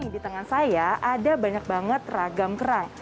di tengah saya ada banyak banget ragam kerang